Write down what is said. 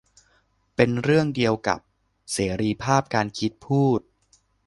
เป็นเรื่องเดียวกับเสรีภาพการคิด พูด